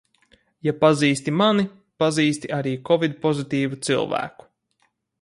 Ja pazīsti mani, pazīsti arī kovid pozitīvu cilvēku.